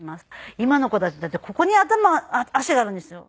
今の子たちだってここに足があるんですよ。